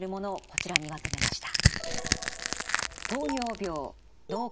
こちらにまとめました。